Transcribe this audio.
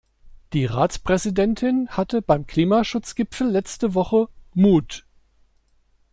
Die Ratspräsidentin hatte beim Klimaschutzgipfel letzte Woche Mut.